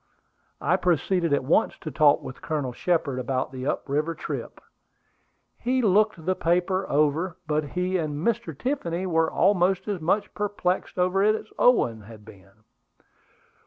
I proceeded at once to talk with Colonel Shepard about the up river trip. He looked the paper over, but he and Mr. Tiffany were almost as much perplexed over it as Owen had been.